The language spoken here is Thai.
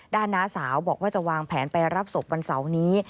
น้าสาวบอกว่าจะวางแผนไปรับศพวันเสาร์นี้